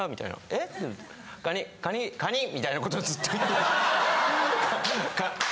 「え？」って言ったら「カニ！カニ！」みたいなことをずっと言ってて。